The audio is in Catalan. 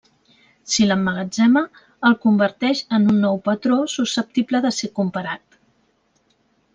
Si l'emmagatzema, el converteix en un nou patró susceptible de ser comparat.